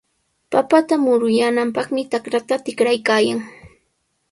Papata muruyaananpaqmi trakrta tikraykaayan.